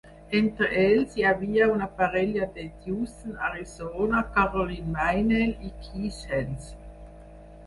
Entre ells hi havia una parella de Tucson, Arizona, Carolyn Meinel i Keith Henson.